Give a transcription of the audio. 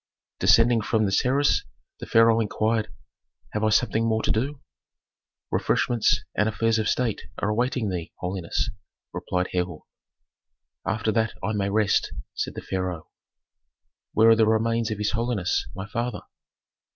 Descending from the terrace the pharaoh inquired, "Have I something more to do?" "Refreshments and affairs of state are awaiting thee, holiness," replied Herhor. "After that I may rest," said the pharaoh. "Where are the remains of his holiness, my father?"